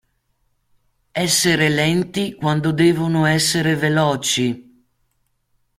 Essere lenti quando devono essere veloci.